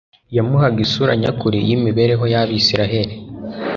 yamuhaga isura nyakuri y'imibereho y'Abisirayeli.